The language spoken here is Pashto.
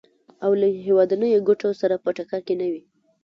او له هېوادنیو ګټو سره په ټکر کې نه وي.